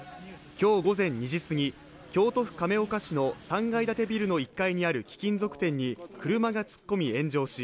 今日午前２時すぎ、京都府亀岡市の３階建てビルの１階にある貴金属店に車が突っ込み炎上し。